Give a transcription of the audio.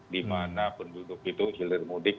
di mana penduduk itu hilir mudik